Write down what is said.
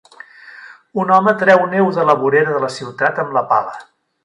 Un home treu neu de la vorera de la ciutat amb la pala.